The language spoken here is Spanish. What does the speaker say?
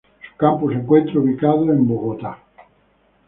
Su campus se encuentra ubicado en Bogotá.